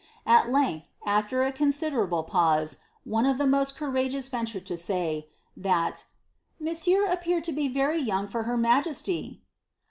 At length, after a con siderable pause, one of the most courageous ventured to say, that "ilonRieur appeared to be very young for her majesty."